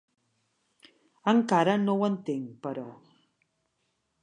Encara no ho entenc, però.